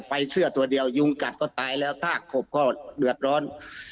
เสื้อตัวเดียวยุงกัดก็ตายแล้วถ้าขบก็เดือดร้อน